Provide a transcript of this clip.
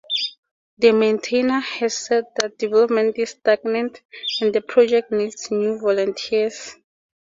The maintainer has said that development is stagnant and the project needs new volunteers.